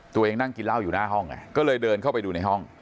นั่งกินเหล้าอยู่หน้าห้องไงก็เลยเดินเข้าไปดูในห้อง